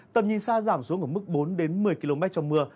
tầm nhìn xa giảm xuống ở mức bốn đến một mươi km trong mưa